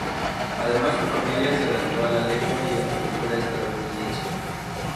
Además su familia se adaptó a la lengua y a la cultura estadounidense.